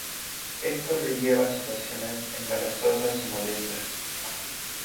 Esto le lleva a situaciones embarazosas y molestas.